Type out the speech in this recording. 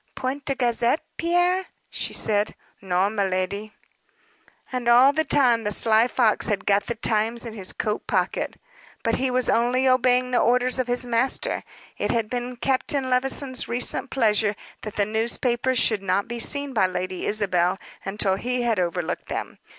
"Point de gazette, Pierre?" she said. "Non, miladi." And all the time the sly fox had got the Times in his coat pocket. But he was only obeying the orders of his master. It had been Captain Levison's recent pleasure that the newspapers should not be seen by Lady Isabel until he had over looked them.